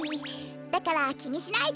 だからきにしないで。